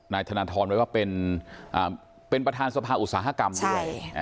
นายธนทรไว้ว่าเป็นประธานสภาอุตสาหกรรมด้วย